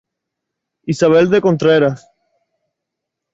Isabel de Contreras.